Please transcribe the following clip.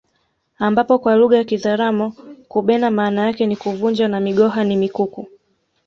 Ambapo kwa lugha ya kizaramo kubena maana yake ni kuvunja na migoha ni mikuku